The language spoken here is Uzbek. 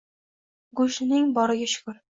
Go`shtning boriga shukur